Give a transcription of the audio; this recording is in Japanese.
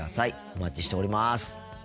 お待ちしております。